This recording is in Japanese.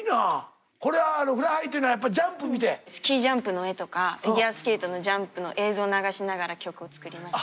スキージャンプの絵とかフィギュアスケートのジャンプの映像流しながら曲を作りました。